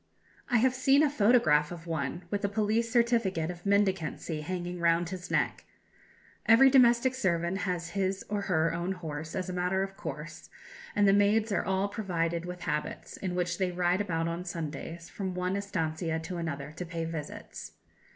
I have seen a photograph of one, with a police certificate of mendicancy hanging round his neck. Every domestic servant has his or her own horse, as a matter of course; and the maids are all provided with habits, in which they ride about on Sundays, from one estancia to another, to pay visits.